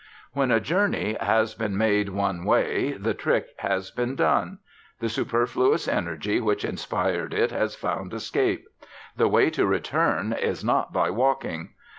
When a journey has been made one way, the trick has been done; the superfluous energy which inspired it has found escape; the way to return is not by walking.